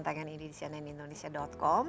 tangan ini di cnn indonesia com